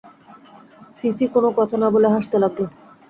CC কোনো কথা না বলে হাসতে লাগল।